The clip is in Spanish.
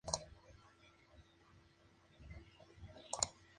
El joven Lord Ewald se enamora de una hermosa pero estúpida mujer.